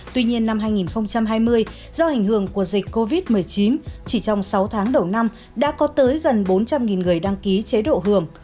tuy nhiên năm hai nghìn hai mươi do ảnh hưởng của dịch covid một mươi chín chỉ trong sáu tháng đầu năm đã có tới gần bốn trăm linh người đăng ký chế độ hưởng